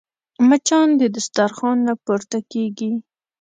مچان د دسترخوان نه پورته کېږي